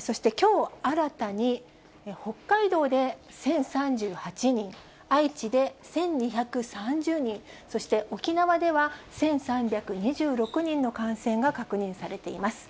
そしてきょう新たに、北海道で１０３８人、愛知で１２３０人、そして沖縄では１３２６人の感染が確認されています。